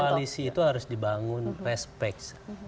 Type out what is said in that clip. koalisi itu harus dibangun respect